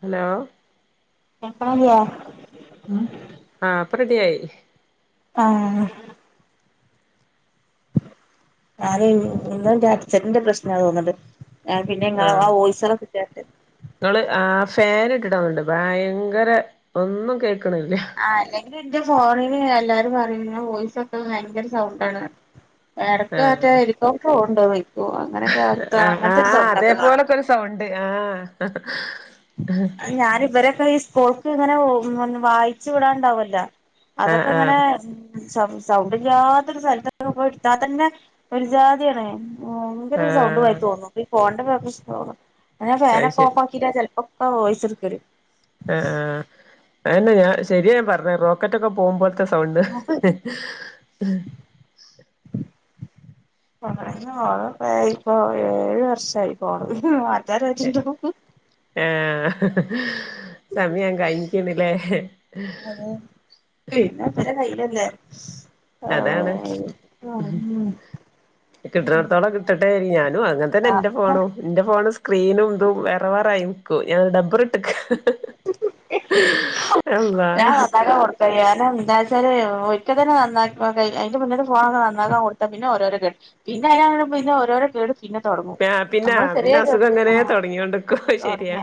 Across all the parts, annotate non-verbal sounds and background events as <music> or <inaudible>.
Hello കേക്കവോ ഉം ആ ഇപ്പ റെഡിയായി ആ ഞാന് ഇന്നെന്റെ അഛന്റെ പ്രശ്നാന്ന് തോന്നണ്ട് ആഹ് പിന്നെ ഇങ്ങളെ ആ ആഹ് വോയ്‌സോളൊക്കെ കേട്ട് ഫാൻ ഇട്ടിട്ടാ ഓണ്ട് ഭയങ്കര ഒന്നും കേ ആഹ് അല്ലെങ്കിലും ഇന്റെ ഫോണിന് എല്ലാരും പറയും വോയിസ് ഒക്കെ വയങ്കര സൗണ്ടാണ് എടക്ക് മറ്റേ ആഹ് ഹെലികോപ്റ്റർ ഓട്ണ്ടോന്നോയ്ക്കും അങ്ങനെക്കെ അത്താ അങ്ങനത്തെ ഒരു സൗണ്ടൊക്കെ കാണാ ണ്ട് ആഹ് അഹ് ഞാന് ഇബരക്കെ ഈ സ് ക്കോൾക്ക് ഇങ്ങനെ ഓ വായിച്ചു വിടാണ്ടാവൊല്ല ആഹ് അതൊക്കെങ്ങനെ ആഹ് സൗ സൗണ്ട് ഇല്ല്യാത്തൊരു സല <unintelligible> പോയി ഇട്ത്താ തന്നെ ഒര് ജാതിയാണ്. വയങ്കര സൗണ്ടുമാരി ആഹ് തോന്നും ഈ ഫോൺ ൻ്റെ പ്രശ്നം അതാ ഞാൻ അത് ഫാനൊക്കെ ശരി ഓഫാക്കീട്ടാ ചെൽ ഒക്കെ വോയിസ്‌ ഇട്ക്കല് ആഹ് ആഹ്. അതന്നെ ഞാൻ ശരിയാ പറഞത് റോക്കറ്റൊക്കെ പോകുമ്പോ ത്ത സൗണ്ട്. ഓണ ഇപ്പോ ഏഴ് വർഷമായി പോണത്. ഏ ആഹ്. സമയം കഴിഞ്ഞിക്കണു ലെ ല്ലെ. അതാണ്, കിട്ടണടത്തോളം കിട്ടട്ടെ ഞാനും അങ്ങനെതന്നെയെന്റെ ആഹ് ഫോണും, എന്റെ ഫോണ് സ്ക്രീനും ഇതും വേറെ വേറെയായി നിക്കുവ ഞാൻ ഡബർ ഇട്ടേക്കുവ. അള്ളാ ഞാൻ അന്നേരം ഓർത്തേ ആരാ നീ എന്താവച്ചാലെ, ഒരിക്ക തന്നെ നന്നാക്കാ അതിന്റെ മുന്നേലത്തെ ഫോണൊക്കെ നന്നാക്കൻ കൊടുത്താ പിന്നെ ഓരോരോ കേട്. പിന്നെ അതിന്പിന്നെ ഓരോരോ കേടും മ്യാ പിന്നാ അ പിന്നെ അസുഖ അങ്ങനെ ആ തുടങ്ങിക്കോണ്ട് നിക്കും ശരിയാ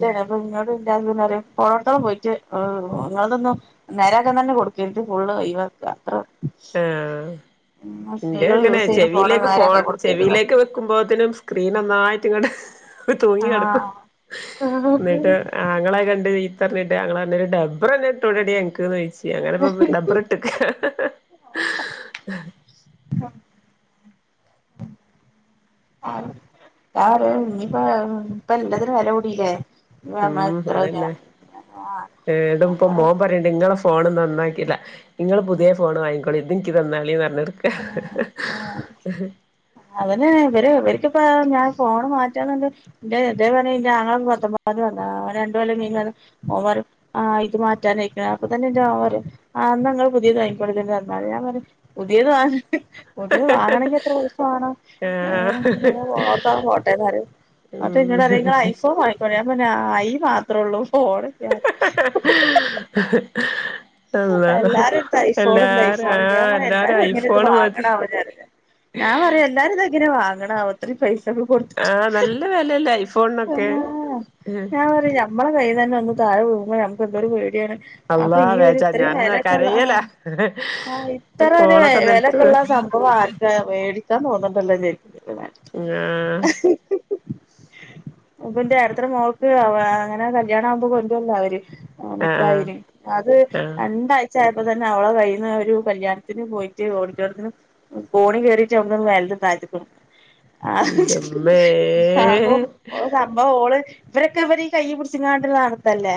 ചെലപ്പോം ഇങ്ങട് <unintelligible> അതൊന്നും നേരാക്കാൻ തന്നെ <unintelligible> ഫുള്ള് <unintelligible> എന്റെ സ്ത്രീകൾ അങ്ങനെ യൂസ് ചെയ്യുന്ന ഫോണ് ചെവിയിലേക്ക് ഫോൺ നേരാക്കാൻ കൊടുക്കരുത് ചെവിയിലേക്ക് വെക്കുമ്പോളത്തേനും സ്ക്രീന നന്നായിട്ട് ഇങ്ങട് തൂങ്ങി കിടക്കും ആഹ് എന്നിട്ട് ആങ്ങളെ കണ്ടു കഴി കണ്ടിട്ട് ഞങ്ങള് അന്നേരം <unintelligible> ഇട്ടൂടേടീ അന ക്ക്‌ ചോയിച്ച് അങ്ങനെപ്പം ഡബ്ർ ഇട്ടേക്കുവാ <unintelligible> ഇനിപ്പ ഇപ്പാ എല്ലാത്തിനും വെല കൂടില്ലേ ഉം അതന്നെ ഏഹ് ഇടം ഇപ്പോ നമ്മള് മോൻ പറയ്ണ്ട് ഇങ്ങളെ ഫോണ് നന്നാക്കില്ല. ഇങ്ങള് പുതിയ ഫോണ് വാങ്ങിക്കോളി ഇതെനിക്ക് തന്നാളീന്ന് പറഞ്ഞ് നടക്കാ ഏഹ് ഏഹ് അവനെ ഇവര് ഇവരിക്കിപ്പ ഞാൻ ഫോണ് മാ റ്റാന്ന് പറഞ്ഞ ഇതേ <unintelligible> ഇത് മാറ്റാനായിക്കുന്ന് അപ്പോ തന്നെ <unintelligible> ന്നാ ഇങ്ങള് പുതിയത് വാങ്ങിക്കോളി ഇതിങ്ങ് തന്നാളി ഞാൻ പറഞ്ഞ് പു തിയത് വാങ്ങാൻ പുതിയത് വാങ്ങാണെങ്കി എത്ര പൈസ വേണം ആഹ് ഏഹ് ഓർത്താ പോട്ടെന്നു പറയും അപ്പോ ഇന്നോട് പറയും ഉം ഇങ്ങള് ഐഫോൺ വാങ്ങിക്കോളി ഞാ പറഞ്ഞ് ആഹ്‌ ഈ മാ ത്രള്ളൂ ഫോണും ഞാനും അള്ളാ എല്ലാവരടുത്ത് ഐഫോണുണ്ട് എല്ലാരും ആ ഐഫോണുണ്ട് ഞാൻ പറഞ്ഞു എല്ലാരും എങ്ങനിത് ഐഫോണ് മതി <unintelligible> ഞാൻ പറയാ എല്ലാരും ഇതെ ഇങ്ങനെ വാങ്ങണം അഒത്തിരി പൈ ആ.. നല്ലവെലയല്ലേ ആ ഞാൻപറയാ നമ്മടെ കൈയിനന്നേ ഒന്ന് താഴെ വീഴുമ്പോ നമുക്കെന്തൊരു പേടിയാണ്. അപ്പൊ അള്ളാ ഈ ഒരു വേജാ ഇത്രേം ഞാൻന്ന് വെലക്കുള്ള ആഹ്.. കരയലാ ആ.. ഇത്രഒരു ഫോണൊക്കെ നിലത്ത് വെലക്കുള്ള സംഭവം ആർക്കാ മേടിക്കാ <unintelligible> <unintelligible> ങാ... <unintelligible> മോൾക് അവ അങ്ങനെ കല്യാണമ്പോ <unintelligible> ആ നികാഹിൻ അത് ആ രണ്ടായിച്ച ആയ ഇപ്പ തന്നെ അവളെ കയ്യിന്ന് ഒരു കല്യാണത്തിന് പോയിട്ട് ഓഡിറ്റോട്ടത്തിന് കോണി കേറിട്ട് അട്ന്ന് മേലന്ന് തായത്ക്ക്ണ് ഇന്റമ്മേ... അപ്പൊ ഓള് സംഭവം ഓള് ഇവരൊക്കെ ഇവരീ കയ്യ് പിടിച്ചങ്ങാണ്ട്ള്ള നടത്തല്ലേ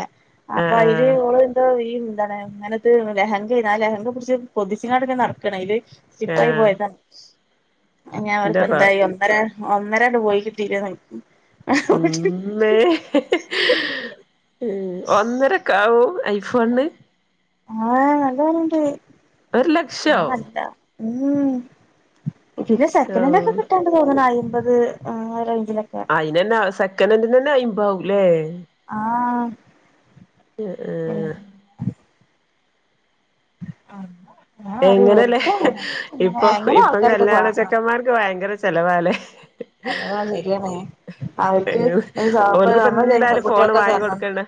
ആ അപ്പൊ ആ അയില് ഓള് എന്തോ വീ എന്താണ് ഇങ്ങനത് ലെഹങ്കേയ്താലേ അയിമേ പുട്ച്ച് പൊന്തിച്ച്ങ്ങാണ്ട്ങ്ങനെ നടക്ണ് അയില് ആ സിപ്പായി പോയതാണ് ഞാവല് ഇന്റെ റ എന്തായി ഒന്നര ഒന്നരാണ്ട് പോയി കിട്ടീലെ <unintelligible> പിന്നേ ഉം ഒന്നരക്കാവും അയി ഫണ്ണ് ആഹ് നല്ല വെലണ്ട് ഒരു ലക്ഷോ? അതല്ല ഉം ഇതിൻ്റെ സെക്കനാൻഡ് ഒക്കെ ഔ കിട്ടാണ്ട് തോന്നണ് അയിമ്പ പത് ആ റ അയിനന്നേ ആഹ് സെക്കനാന്റിനെന്നെ അയിമ്പ് മ്പാവൂലേ? ആഹ് പിന്നെ ആഹ് അ എങ്ങനെല്ലേ ഇപ്പൊ എങ്ങനെ ഇപ്പം ആൾക്കാർക്കൊക്കെ കല്യാണ ചെക്കന്മാർക്ക് ഭയങ്കര ചെലവാലെ <unintelligible> അഹ് സെരിയാണ് അവൽക്ക് ഈ സോപ്പ് ഓൽക്കിപ്പ നമ്മള് വിചാരിക്കും എന്തായാലും ഫോണ് പെൺകുട്ട്യാൾക്ക് വാങ്ങി സ്വർണ്ണം കൊടുക്കണ്ട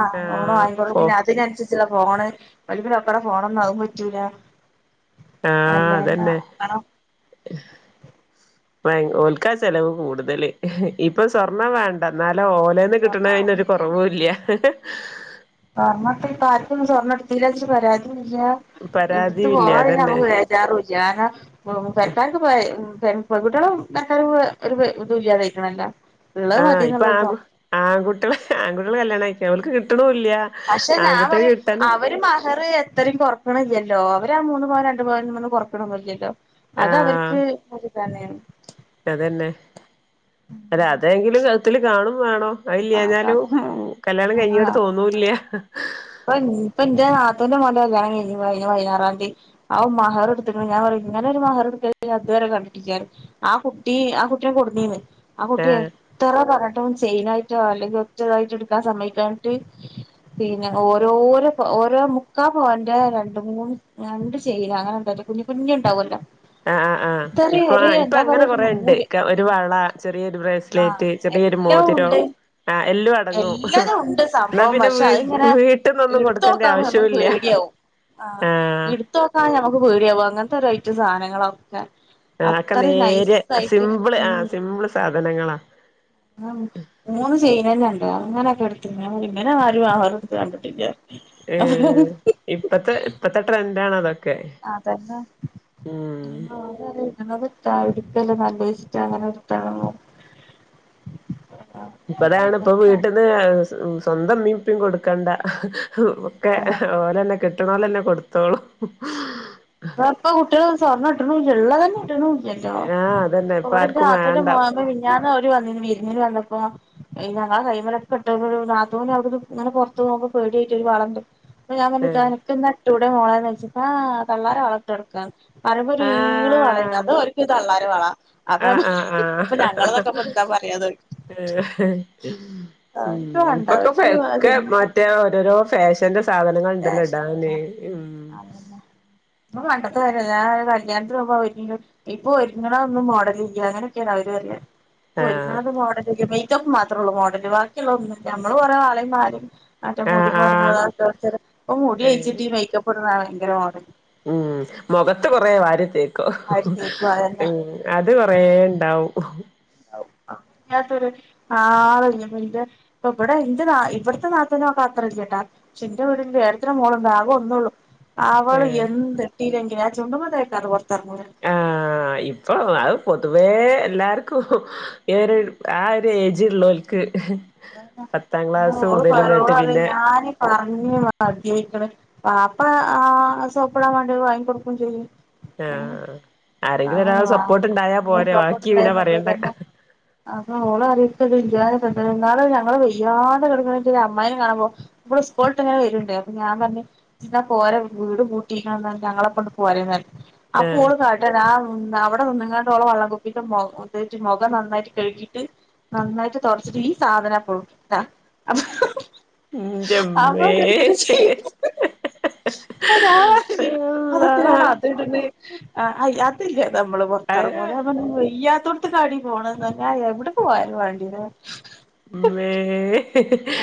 ആ ഫോണ് ആഹ് വാങ്ങികൊടുക്കും ഫോ പിന്നെ അതിനനുസരിച്ചുള്ള ഫോണ് ഓൽക്ക് നമ്മ മ്മടെ ഫോണൊന്നും അതും പറ്റൂല ആഹ് അല്ലാണ്ട് അതന്നെ വാങ്ങണം ഭയ ഓൽക്കാ ചെലവ് കൂടുതല് ഇപ്പൊ സ്വർണ്ണം വേണ്ട ന്നാലോ ഓലേന്ന് സ്വർണം കിട്ട്ണേനൊരു ശരിയാണ് കൊറവൂല്ല്യ സ്വർണ്ണട്ടിലാച്ച് പരാതി ല്യാ പരാതിയുല്ല ഇട്ത്തുപോവാൻ പിന്നെ അതന്നെ നമ്മക്ക് വേജാറൂല്ല കാരണം പെരക്കാർക്ക്പ്പോ പെൺകുട്ടിയാളും പെരക്കാരും ഒരു ബ് ഇതും ഇല്ലാതായിക്കണല്ലോ ഉള്ളത് ആഹ് ഇപ്പൊ മതിന്നുള്ളൊരു ആൺ തോന്നൽ ആൺകുട്ടികള് ആഹ് <unintelligible> പക്ഷെ ഞാൻ പറയാ അവര് മഹർ എത്രയും കൊറക്കണ് <unintelligible> <unintelligible> അവരാ മൂന്നൂ പവൻ രണ്ടുപവന്നു കുറക്കണൊന്നില്ലല്ലോ അത അവർക്ക് തന്നെ അതെന്നെ അല്ല അതെങ്കിലും കൗത്തില് കാണും വേണം ആ അതെ അയില്ലാഞാലും അതെ കല്യാണം ആ കഴിഞ്ഞാട്ടു തോന്നൂല്ല ഇപ്പൊ ഇപ്പ എന്റെ നാത്തൂന്റെ മോന്റെ കല്യാണം കഴിഞ്ഞ് കഴിഞ്ഞ പൈനാരാന്തി അവൻ മഹർ എടുത്തിട്ട ഞാൻ പറഞ്ഞു ഇങ്ങനെ ഒരു മഹർ എടുക്ക ഞാൻ ഇതുവരെ കണ്ടിട്ടിരിക്കും ആ കുട്ടി ആ കുട്ടിനെ കൊണ്ടെന്നിനി ആ കുട്ടി ആഹ് എത്ര പറഞ്ഞിട്ടും ചെയ്യാ അല്ലെങ്കിൽ ഒറ്റതായിട്ട് എടുക്കാൻ സമയിക്കാഞ്ഞിട്ടു ഓരോരോ ഓരോ മുക്കാ പവന്റെ രണ്ടുമൂന്ന് രണ്ട് ചെയിൻ അങ്ങനെ ഉണ്ടല്ലോ കുഞ്ഞുകുഞ്ഞ് ഉണ്ടാവുല്ലോ ആ ആ ആഹ് ഇപ്പൊ ആ ഇപ്പൊ അങ്ങനെ പറയാ ഒരു കൊറെയുണ്ട് നൂല് ഒരു വള ചെറിയൊരു ബ്രേസ്ലേറ്റ് ചെറിയൊരു മോതിരം ആ എല്ലാതും ഉണ്ട് സംഭവം പക്ഷെ വീ അതിങ്ങനെ വീട്ടിന്നൊന്നും ഇടുത്തു കൊടുക്കേണ്ട നോക്കാൻ ഞമ്മക്ക് ആവശ്യവുല്ല പേടിയാവും ആ ആഹ് ഇടുത്ത് നോക്കാ ഞമ്മക്ക് ഇൻക്ക് പേടിയാവ് അങ്ങൻത്തെ ഒരയിറ്റം സാനങ്ങളാവും. ആ അക്കെ നേരെ സിംമ്പിള് ആ സിംമ്പിള് സാധ മ് മൂന്ന് ചെയ്യ്ണത്കണ്ടോ അങ്ങനൊക്കെ എട്ത്ത്ന്ന്. ഇബല് ആരും ആഹാറട് ത്ത് കണ്ടിട്ടില്ല. ഏ ഇപ്പത്തെ -ഇപ്പത്തെ ട്രെൻഡ് ണത് അതന്നെ <unintelligible> <unintelligible> എടുക്കല് നല്ല ഇഷ്ടാണ് അങ്ങനെ ഇത് തെളങ്ങും ഇപ്പതാണ് ഇപ്പൊ വീട്ടിന്ന് സ്വന്തം ഇമ്മിയിം ഇപ്പിയിം കൊടുക്കണ്ട ഒക്കെ ഓലെന്നെ കെ ട്ട്ണോലെന്നെ കൊടുത്തോളും ഇന്ന ഇപ്പ കുട്ടിള് സ്വർണ്ണ ഇട്ണു ള്ളത് ന്നെ ഇട്ണു ഇല്ലല്ലോ ആഹ് അതന്നെ ഇപ്പ ഇവ്ടെ ഇന്റെ ആർക്കും നാത്തൂന്റെ വേണ്ട മോൾ മിഞ്ഞാന്ന് ഓല് <unintelligible> വന്നിനി വിരുന്നിന് വന്നപ്പോ അയ് ഞങ്ങളെ കൈമലൊക്കെ ഇട്ടത് നാത്തൂന് അവിട്ന്ന് ഇങ്ങനെ പൊറത്ത് പോവുമ്പോ പേടിയായിട്ട് ഒര് വളട്ട്. ഇന്ന ഞാൻ തന്നെ ഇടാ ഏഹ് <unintelligible> വിടെ മളാനച്ച പ <unintelligible> തള്ളാര് അകത്തു കടക്ക പറയുമ്പോ ഒരു ഈള് വളയ അത് ഒൽ ക്ക് തള്ള വള അപ്പൊ ആ ആ ആ ഇപ്പൊ ഞങ്ങളതൊക്കെ ഇപ്പൊ എന്താ പറയാന്ന് ചോദിക്കും ഉ അവർക്ക് വേണ്ട ഇപ്പൊക്കെ അവർക്ക് ഒക്കെ അതന്നെ മറ്റേ ഓരോരോ ഫാഷന്റെ സാധനങ്ങള് ണ്ടല്ലോ ഫാഷൻ ഇടാന് ഉം ഇപ്പ പണ്ടത്തെ <unintelligible> ഞൻ ഒരു കല്യാണന് പോവുബോ അവരി ഇപ്പൊ ഒരുങ്ങാനതൊന്നും മോഡല് ഇല്ല അങ്ങനെയൊക്കെയാണ് അവര് പ റിയ ആഹ് ഒരുങ്ങുണത് മോടലില്ല മേയ് <unintelligible> മാത്രേള്ളൂ മോഡല് ബാക്കിയുള്ളള്ള ഒന്നും നമ്മള് കുറെേ വളീം മാലിം മറ്റെ ആഹ് മുടിമോ ടയിനതൊക്കെ <unintelligible> ഓ ആഹ് മുടികെയ്ച്ചിട്ട് ഈ മേയ്ക്കാപ്പ് <unintelligible> ങ്കര മോഡല് ഉം മുഖത്ത് കൊറ വാരി തെ ആ ഒരു കേക്കും അതന്നെ ഉം അത് കൊറെ ഉണ്ടാവും വല്ലാത്തൊരു ആ എന്റെ ഇപ്പ ഇവിടെ എന്റെ നാ ഇവിടത്തെ നാത്തൂനൊക്കെ അത്ര ഇല്ലാ പക്ഷെ എന്റെ വീടി ഏട്ടത്തിന്റെ മോളും ആകെ ഒന്നള്ളു അവള് ഏഹ് എന്ത്‌ ഇട്ടിലെ ഞാൻ ചുണ്ടുമേ തേക്കാ കൊറച്ച് ആഹ് ഇപ്പൊ അയ്‌ പൊതുവേ എല്ലാർക്കും ആ ഒരു ഏജ്ള്ളോർക്ക് അതന്നെ ഓളപറയ ഓളറിയ പിന്നെ ഞാനീ പറ അണ പാപ്പ ആ സോപ്പടാൻ വേണ്ടി വാങ്ങി കൊടുക്കയും ചെയ്യും ആഹ് ആരെങ്കിലും ഒരാൾ അണ സപ്പോർട്ട് ഉണ്ടായാ പോരെ ബാക്കി പിന്നെ പറയണ്ട സപ്പോട്ട്ണ്ടായക്ക ത അ ഓള അറിയത് <unintelligible> എന്നാും ഞങ്ങള് വയ്യാണ്ട കടക്ക്ണ ഒരു അമ്മായി നെ കാണുമ്പൊ വ്ള് സ്കൂളട്ട എങ്ങനെ വരണ്ട് അപ്പൊ ഞാൻ പറഞ് പോരെ വീട് കൂട്ടിയിട്ട ഞങ്ങളെ ഒപ്പം പോര്ന്നു അപ്പൊ ആഹ് ഓള് കാട്ടതാ അവടെ അ നിങ്ങാണ്ടോളം വള്ളംകുപ്പിന്റെ മുഖം നന്നായിട്ട് കഴുകിട്ട് നന്നായിട്ട് തുടച്ചിട്ട് ഈ സാധന അപ്പളും ആഹ് അപ്പ ഇന്റമ്മേ എടുത്തിട്ട് ചെയ അപ്പൊ ര അത്തിണ് അല്ലാഹ് അദ്യ ഇട്ടത് ആഹ് അഹ് അതില്ല നമ്മള് പൊറത്തിറങ്ങൂല പറഞ്ഞ് വയ്യാതോടു ഇട്ട കാടി പോണന്ന് പറഞ്ഞാ എവടെ പോയാലും വേണ്ടീല മ്മേ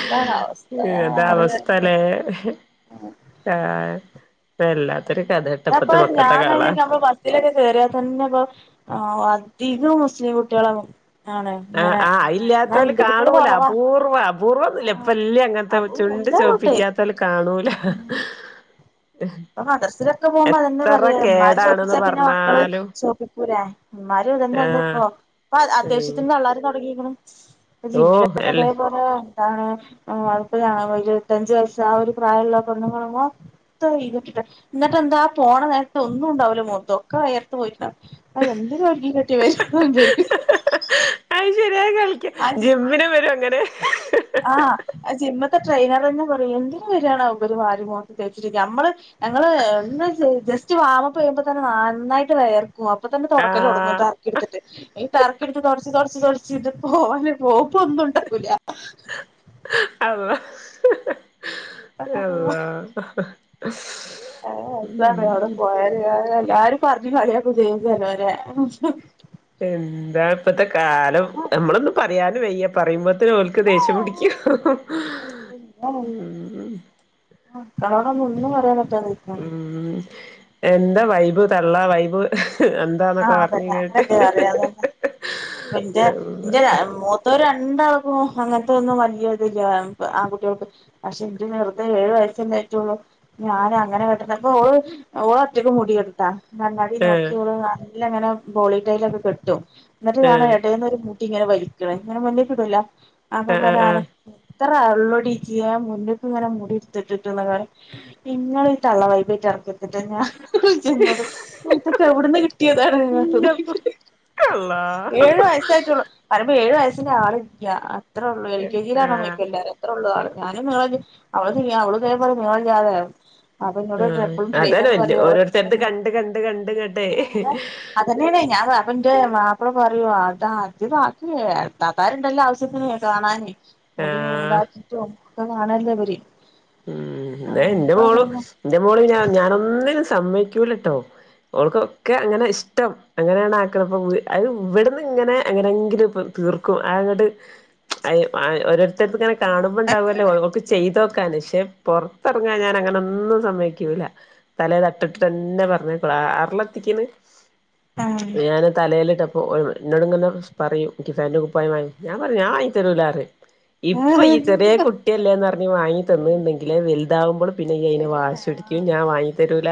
അതാണ് അവസ്ഥ ഞാൻ അതാ അവസ്ഥാ പറയന്നെ ലെ ആഹ് ഇപ്പെല്ലാ പ്പൊ ഞാൻ തന്നെ ഇപ്പൊ ബസ്സിലൊക്കെ കേറിയാ തന്നെ അപ്പൊ ആഹ് ധികും മുസ്ലിം കുട്ടികളാവും ആഹ് ആഹ് അത് ഇല്ലാത്തവല് കുട്ടികള് കാണൂല, കുറവാ അപൂർവ്വാ അപൂർവന്നില്ല ഇപ്പ ആഹ് ഇല്യ ഇങ്ങൻത്തെ അപ്പൊ ചുണ്ട് എല്ലാരുണ്ട് ചോപ്പിക്കാത്തവല് കാണൂല. അപ്പ മദർസിലൊക്കെ പോവുമ്പോ അതന്നെയാ എത്ര പറയാ ഉമ്മാര് കേടാണെന്ന് ചോപ്പിച്ചാ പിന്നെ മക്കള് പറഞ്ഞാലും ചോപ്പി ക്കൂലെ ഉമ്മമാരും ഇതന്നെയല്ലേ ആഹ് ഇപ്പൊ പ്പൊ ഉം അത്യാവശ്യത്തിന് തള്ളാരും തൊടങ്ങിയിക്കിണ്. ഓഹ് ജിമ്മിലൊക്കെ അതെ അല്ല പോലെ അ ഒരു ഞാ ഇപ്പോ ഇരുപത്തഞ്ച വയസ് ആ ഒരു പ്രായമുള്ള പെണ്ണുങ്ങള് മൊത്ത ഇ എന്നിട്ട എന്താ പോണ നേരത്തെ ഒന്നും ഉണ്ടാവില്ലോ മോതൊക്കെ വയർത്ത് പോയിട്ട അ എന്തിന ഒരുങ്ങി കെട്ടി ഏഹ് <unintelligible> <unintelligible> കളിക്കാ ജിമ്മിന് വെരും അങ്ങനെ ആ അത് ജിമ്മത്തെ ട്രെയിനർ തന്നെ പറയും എന്തിന് വരാണാവൊ ഇവര് വാരിമുഖത്ത് തേച്ചിരിക്ക നമ്മള് ഞങ്ങള് ഒന്ന് ജസ്റ്റ് വാമപ്പ് ചെയ്യുമ്പോ തന്നെ നന്നായിട്ട് വെയർ ക്കും അപ്പതന്നെ തൊടക്കല്ലോടുങ്ങും ആഹ് ടർക്കിട്ത്തിട്ട് ഈ ടർക്കി ഇടുത്തു തൊടച്ച് തൊടച്ച് ച്ച് ച്ച് ഇത് പോവാന് പോകുമ്പ ഒന്നും ഉണ്ടാകൂല അ അല്ലാഹ് അ ആ അതാണ്‌ അവിടെ പോയാല് ആ ഏ എല്ലാരും പറഞ്ഞു കളിയാക്കേം ചെയ്യും ചെലോരെ എന്താ ഇപ്പത്തെ കാലം നമ്മളൊന്നും പറയാനും വയ്യ പറയുമ്പോത്തേന് ഓല്ക്ക് ദേഷ്യം പിടിക്കും ഉം <unintelligible> ഒന്നും പറയാൻ പറ്റി ഉം എന്ത്‌ എന്താ വൈബ് തള്ള വൈബ് ആ എന്താന്നൊക്കെ പറഞ്ഞ് അതന്നെ കേട്ട് അങ്ങനൊക്കെ പറയാ അതന്നെ ഇപ്പം ഇൻജെ ആഹ് ഇൻജെ മൂത്ത രണ്ടാൾക്കും അങ്ങനത്തെ ഒന്നും വലിയ ഇതില്ല ആൺകുട്ടികൾക്ക് പക്ഷെ എന്റെ ചെറുത്‌ ഏഴു വയസ്സല്ലെ ആയിട്ടൊള്ളൂ ഞാനങ്ങനെ <unintelligible> ഓ ഓള് ഒറ്റയ്ക്ക് മുടികെട്ടാ കണ്ണാടി ആഹ് നോക്കി ഓള് ലങ്ങനെ ബോളിടൈലൊക്കെ കെട്ടും. എന്നിട്ട് കാണ ആഹ് എടേന്നൊരു മു ടിങ്ങനെ വലിക്ക്ണ് ഇങ്ങനെ മുന്നിക്ക് ഇടൂല അപ്പ പറ ആഹ് ആഹ് ആരക്ക ഇത്ര അള്ളൊടിജ്ജ് ആ മുന്നിക്ക് ഇങ്ങനെ മുടി ഇട്ത്തിട്ടിട്ട് ന്നൊക്കെ പറയും ഇങ്ങളീ തള്ളവൈബായിട്ട് നടക്കരുത്ട്ടൊ ഞാൻ <unintelligible> ന്നോട് ഇതൊക്കെ എവിടന്ന് ഇന്റപ്പോ <unintelligible> അള്ളാ ഏഴു വയസ്സായിട്ടുള്ളു പറയുമ്പോ ഏഴു വയസ് ആളില്ല അത്രേംള്ളൂ എൽ ആഹ് കെ ജിയിലാണോന്നുചോദിക്കുവെല്ലാരും അത്രെയുള്ളാള്ള് ഞാനും നീളല്ല അവള് <unintelligible> അവള് ഇതേപോലെ നീളല്ലാതെ ആഹ് അതന്നെ <unintelligible> <unintelligible> ഓരോരുത്തരുടേത് നീളം കണ്ട് കണ്ട് കണ്ടിങ്ങട്ടേയ് അതന്നെയാണ് ഞാൻ വ അപ്പജ്ജെ മാപ്പള പറയുവ അതാ അത് ബാക്കിയ ഇത്താത്താരുണ്ടല്ലോ ആവശ്യത്തിന് കാണാന് മുടിയും ആഹ് ഇതാക്കീട്ടും ഒക്കെ കാണല്ലേ ഇബര് ഉം ആ ഇന്റെ മോള് ഇന്റെ മോള് ഞ ഞാനൊന്ന് സമ്മയ്ക്കൂലട്ടോ ഓൾക്കൊക്കെ അങ്ങനെ ഇഷ്ടം അങ്ങനെയാണ് ആക്ക്ണത് അയ് ഇവിടുന്ന് ഇങ്ങനെ എങ്ങനെങ്കിലു തീർക്കും ആയ് അങ്ങ്ട്ട് ആയ് ആയ് ഒരു ങ്ങനെ കാണുമ്പോണ്ടാവുവല്ലോ ഓള് ക്ക് ചെയ്ത ക്ഷെ പുറത്തിറങ്ങാ ഞാൻ അങ്ങനൊന്നും സമ്മതിക്കൂല്ല തലേ തട്ടട്ടിട്ട് തന്നെ പറഞ്ഞയക്കുള്ളു ആറില് എത്തിക്ക് ണ് ഞാന് തലയിലിട്ട ഓ എന്നെടുങ്ങെന്ന്ന്ന് പറയും എനിക്ക് ഫാൻ്റെ കുപ്പായമായി ഞാൻ പറയും ഞാൻ വാങ്ങി തരൂല്ലാന്ന് ഇപ്പൊ ഈ ആ ചെറിയ കുട്ടിയല്ലേന്ന് ആയി തന്ന് ണ്ടെങ്കില് വലുതാകുമ്പോള് ശരിയാണ് ആഹ്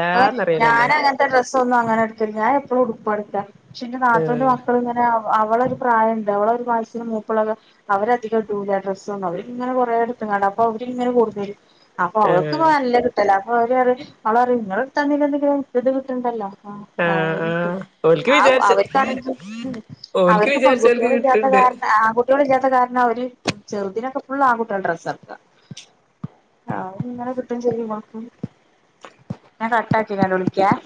ഇപ്പൊ ഞാനങ്ങനത്തെ ഡ്രസ്സോന്നും അങ്ങനെ എടുക്കല്ല ഞാൻ എപ്പഴും ഉടുപ്പടു പക്ഷെന്റെ നാത്തൂന്റെ ആഹ് മക്കളിങ്ങനെ അതിനൊരു പ്രായംുണ്ട് അവളൊ ഒരു വയസ്സിന് മൂപ്പുള്ളൊക്കെ അവരധികം ഇട്ടൂല ഡ്രസ്സും അവര് ഇങ്ങനെ കൊറ അടുത്ത് കണ്ട അപ്പൊ അവരിങ്ങനെ കൊട്ന്നരും ആപ്പ ആഹ് വല്ല്യ നല്ല കിട്ടല ഓലരിം ഊളറിം ങ്ങള് ഇടത് തന്നില്ലെങ്കിലും ന്ക് ഇത് കിട്ടണ്ടല്ലോ ആഹ് ആഹ് ഓൽക്ക് ആ അവ വിചാരിച്ച് അവർക്കാണെങ്കിൽ ഓൽക്ക് അവർക്ക് വിചാരിച്ചോൽക്ക് പെൺകുട്ടികളില്ലാത്ത കിട്ട്ണ്ട് കാരണം ആൺകുട്ടികളില്ലാത്ത കാരണം അവര് ചെറുതിനൊക്കെ ഫുള്ള് ആൺ കുട്ട്യാളെ ഡ്രസ്സൊക്കെ ആഹ് ഇന്നാ ഞാൻ കട്ടാക്കിയിട്ട് അങ്ങോട്ട് വിളിക്ക